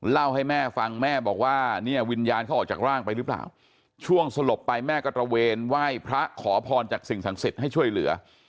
เล่าให้แม่ฟังแม่บอกว่าเนี่ยวิญญาณเขาออกจากร่างไปหรือเปล่าช่วงสลบไปแม่ก็ตระเวนไหว้พระขอพรจากสิ่งศักดิ์สิทธิ์ให้ช่วยเหลือ